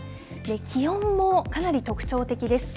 気温もかなり特徴的です。